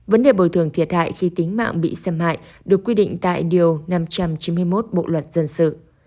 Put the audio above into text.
vấn đề bồi thường thiệt hại khi tính mạng bị xâm hại được quy định tại điều năm trăm chín mươi một bộ luật dân sự